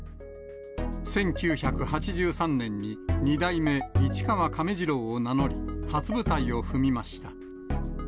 １９８３年に二代目市川亀治郎を名乗り、初舞台を踏みました。